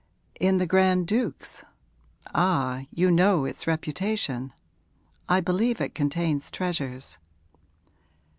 'In the Grand Duke's? Ah, you know its reputation? I believe it contains treasures.'